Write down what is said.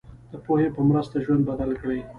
د پوهې په مرسته ژوند بدل کړئ.